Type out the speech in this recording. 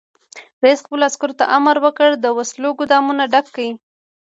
رئیس جمهور خپلو عسکرو ته امر وکړ؛ د وسلو ګودامونه ډک کړئ!